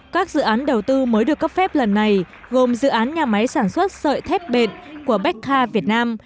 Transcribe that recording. các dự án đầu tư mới được cấp phép lần này gồm dự án nhà máy sản xuất sợi thép bệt của bách khoa việt nam